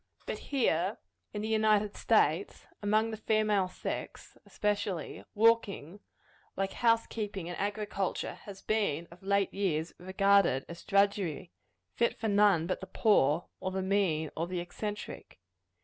But here, in the United States among the female sex, especially walking, like house keeping and agriculture, has been, of late years, regarded as drudgery fit for none but the poor, or the mean, or the eccentric.